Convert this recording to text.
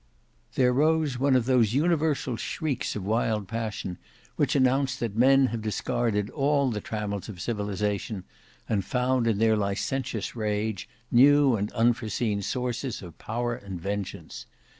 There rose one of those universal shrieks of wild passion which announce that men have discarded all the trammels of civilization, and found in their licentious rage new and unforseen sources of power and vengeance.